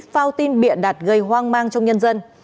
phao tin biện đạt gây hoang mang trong nhân dân